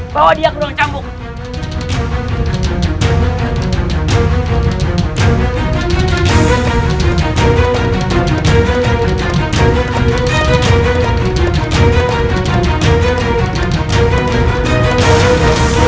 bawa dia ke ruang campur